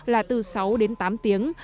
là từ sáu đến tám tiếng